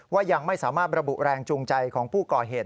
ยังไม่สามารถระบุแรงจูงใจของผู้ก่อเหตุ